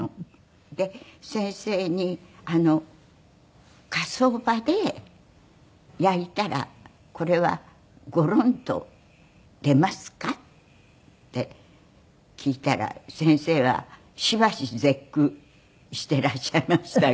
で先生に「火葬場で焼いたらこれはゴロンと出ますか？」って聞いたら先生はしばし絶句していらっしゃいましたが。